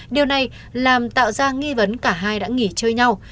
điều này làm tạo ra nghi vấn cả hai đã nghỉ chơi nhau